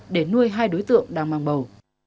để nuôi hai đối tượng đang mang bầu